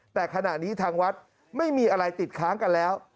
แต่ขณะนี้ทางวัดไม่มีอะไรติดค้างกันแล้ว